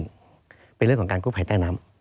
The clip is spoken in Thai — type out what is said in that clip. เป็นเรื่องของการกู้ภัยใต้น้ำ